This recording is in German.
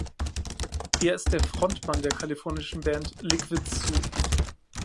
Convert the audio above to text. Er ist der Frontmann der kalifornischen Band "Liquid Zu".